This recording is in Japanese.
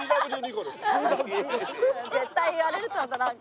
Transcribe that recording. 絶対言われると思ったなんか。